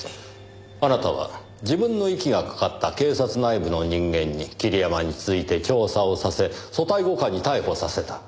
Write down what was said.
あなたは自分の息がかかった警察内部の人間に桐山について調査をさせ組対５課に逮捕させた。